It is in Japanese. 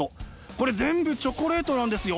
これ全部チョコレートなんですよ。